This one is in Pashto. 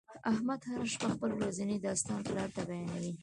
احمد هر شپه خپل ورځنی داستان پلار ته بیانوي.